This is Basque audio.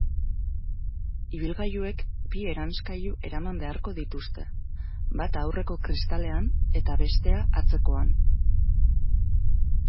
Ibilgailuek bi eranskailu eraman beharko dituzte, bata aurreko kristalean eta bestea atzekoan.